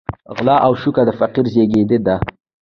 غلا او شوکه د فقر زېږنده ده.